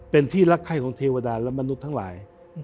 เป็นที่รักไข้ของเทวดาและมนุษย์ทั้งหลาย